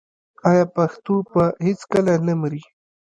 آیا پښتو به هیڅکله نه مري؟